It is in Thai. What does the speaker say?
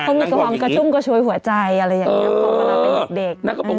ใช่เขาเขียนความกระชุ้งกระชุบหัวใจอะไรอย่างเงี้ย